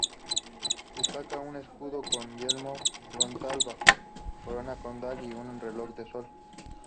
Destaca un escudo con yelmo frontal, bajo corona condal y un reloj de sol.